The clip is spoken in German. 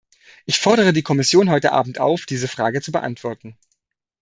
Ich fordere die Kommission heute abend auf, diese Frage zu beantworten.